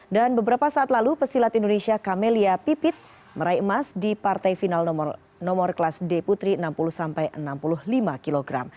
dan beberapa saat lalu pesilat indonesia kamelia pipit meraih emas di partai final nomor kelas d putri enam puluh enam puluh lima kg